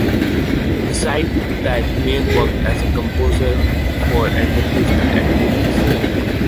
Beside that, Maile worked as a composer for Advertisement and Movies.